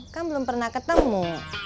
kan belum pernah ketemu